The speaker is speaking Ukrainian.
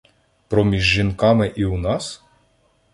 Проміж жінками і у нас?